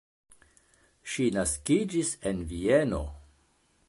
Ŝi naskiĝis en Vieno.